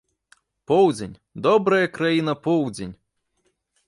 Поўдзень, добрая краіна поўдзень!